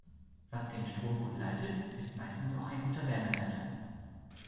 Was den Strom gut leitet, ist meistens auch ein guter Wärmeleiter.